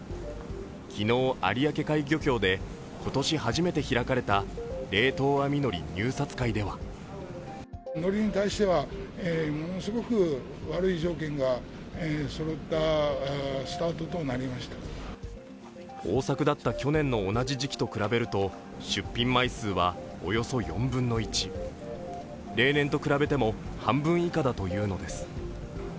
昨日、有明海漁協で今年初めて開かれた冷凍網のり入札会では豊作だった去年の同じ時期と比べると出品枚数はおよそ４分の１、例年と比べても半分以下だというのです。